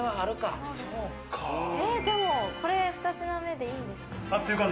でもこれ２品目でいいんですか？